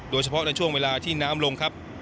โดยเฉพาะในช่วงเวลาที่น้ำลงครับ